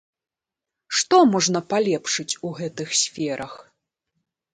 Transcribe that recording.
Што можна палепшыць у гэтых сферах?